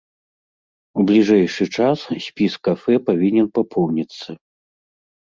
У бліжэйшы час спіс кафэ павінен папоўніцца.